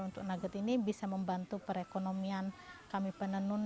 untuk nugget ini bisa membantu perekonomian kami penenun